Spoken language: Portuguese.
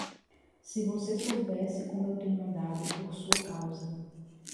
Se você soubesse como eu tenho andado, por sua causa.